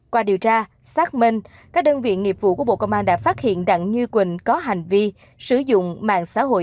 qua điều tra xác minh các đơn vị nghiệp vụ của bộ công an đã phát hiện đặng như quỳnh có hành vi sử dụng mạng xã hội